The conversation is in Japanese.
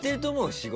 仕事。